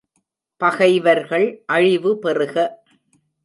பகைவர்கள் அழிவு பெறுக!